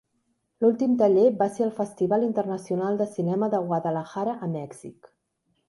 L'últim taller va ser al Festival Internacional de Cinema de Guadalajara a Mèxic.